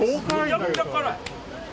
めちゃくちゃ辛い！